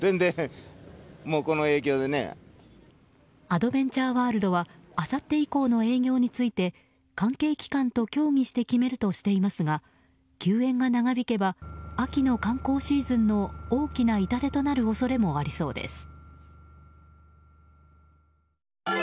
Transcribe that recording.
アドベンチャーワールドはあさって以降の営業について関係機関と協議して決めるとしていますが休園が長引けば秋の観光シーズンの大きな痛手となる恐れもありそうです。